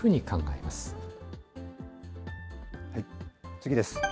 次です。